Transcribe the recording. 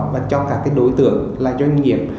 và cho các đối tượng doanh nghiệp